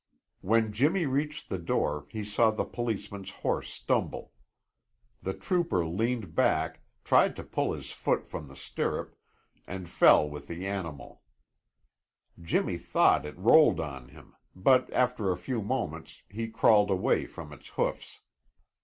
When Jimmy reached the door he saw the policeman's horse stumble. The trooper leaned back, tried to pull his foot from the stirrup, and fell with the animal. Jimmy thought it rolled on him, but after a few moments he crawled away from its hoofs.